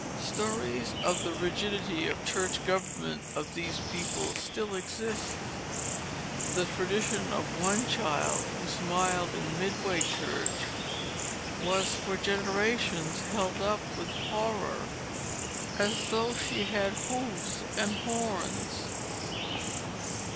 Stories of the rigidity of church government of these people still exist. The tradition of one child who smiled in Midway Church was for generations held up with horror, "as though she had hoofs and horns."